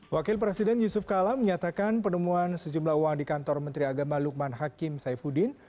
wakil presiden yusuf kala menyatakan penemuan sejumlah uang di kantor menteri agama lukman hakim saifuddin